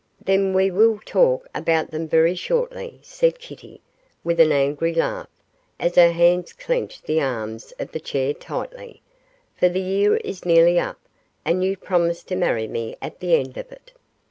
'Then we will talk about them very shortly,' said Kitty, with an angry laugh, as her hands clenched the arms of the chair tightly; 'for the year is nearly up, and you promised to marry me at the end of it.